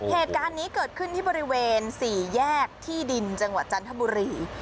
เหตุการณ์นี้เกิดขึ้นที่บริเวณ๔แยกที่ดินจังหวัดจันทบุรี